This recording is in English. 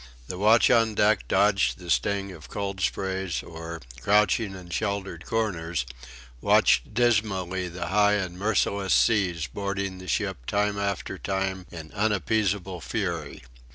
The watch on deck dodged the sting of cold sprays or, crouching in sheltered corners, watched dismally the high and merciless seas boarding the ship time after time in unappeasable fury.